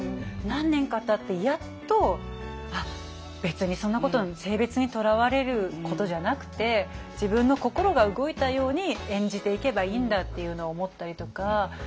何年かたってやっとあっ別にそんなこと性別にとらわれることじゃなくて自分の心が動いたように演じていけばいいんだっていうのを思ったりとか。